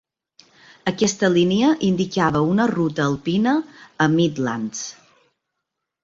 Aquesta línia indicava una ruta alpina a Midlands.